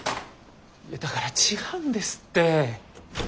だから違うんですって！